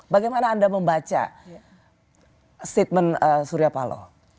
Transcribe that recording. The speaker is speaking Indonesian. bagaimana anda membaca statement surya paloh